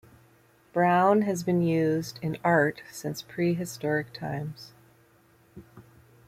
Brown has been used in art since prehistoric times.